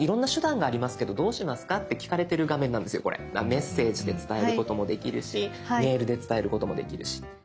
「メッセージ」で伝えることもできるし「メール」で伝えることもできるし。